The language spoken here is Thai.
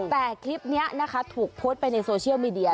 แต่คลิปนี้นะคะถูกโพสต์ไปในโซเชียลมีเดีย